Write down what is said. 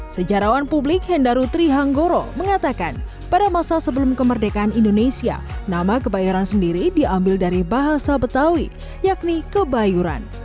sejarawan publik hendaru trihanggoro mengatakan pada masa sebelum kemerdekaan indonesia nama kebayoran sendiri diambil dari bahasa betawi yakni kebayuran